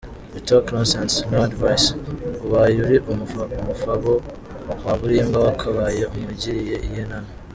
you talk nonsense ",no advice ubaye uri umufabo waba urimbwa wakabaye umujyiriye iyihe nama.